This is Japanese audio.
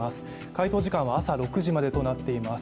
回答時間は朝６時までとなっています。